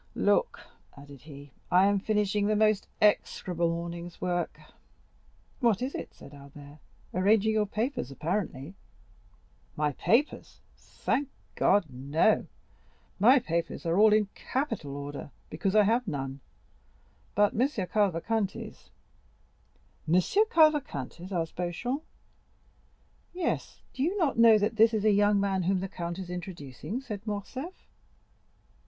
Look," added he. "I am finishing the most execrable morning's work." "What is it?" said Albert; "arranging your papers, apparently." "My papers, thank God, no,—my papers are all in capital order, because I have none; but M. Cavalcanti's." "M. Cavalcanti's?" asked Beauchamp. "Yes; do you not know that this is a young man whom the count is introducing?" said Morcerf.